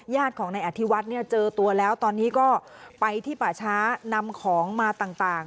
ญาติของนายอธิวัฒน์เนี่ยเจอตัวแล้วตอนนี้ก็ไปที่ป่าช้านำของมาต่าง